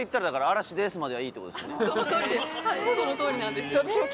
そのとおりです。